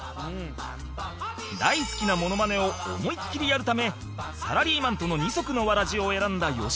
大好きなモノマネを思いっきりやるためサラリーマンとの二足のわらじを選んだよしまさ